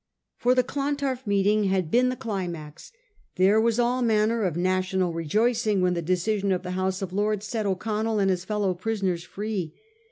For the Clontarf meeting had been the climax. There was all manner of national rejoicing when the decision of the House of Lords set O'Connell and his fellow prisoners free.